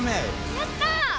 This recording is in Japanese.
やった！